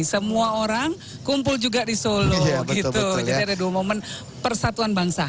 semua orang kumpul juga di solo gitu jadi ada dua momen persatuan bangsa